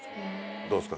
どうですか？